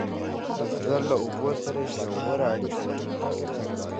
بزګر له اوبو سره ژوره اړیکه لري